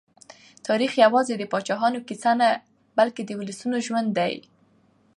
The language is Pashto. تاریخ یوازې د پاچاهانو کیسه نه، بلکې د ولسونو ژوند دی.